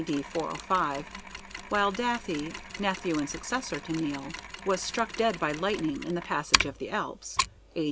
D. 405), while Dathy, nephew and successor to Nial, was struck dead by lightning in the passage of the Alps (A.